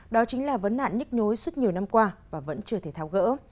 đó chính là vấn nạn nhích nhối suốt nhiều năm qua và vẫn chưa thể tháo gỡ